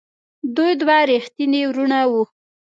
دوی دوه ریښتیني وروڼه وو.